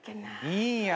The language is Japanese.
いいんや。